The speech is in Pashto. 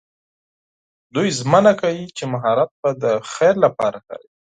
دوی ژمنه کوي چې مهارت به د خیر لپاره کاروي.